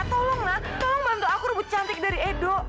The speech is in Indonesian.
tolong na tolong bantu aku rebut cantik dari edo